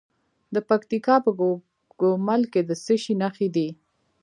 د پکتیکا په ګومل کې د څه شي نښې دي؟